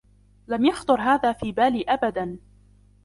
لم يخطر هذا في بالي أبدا.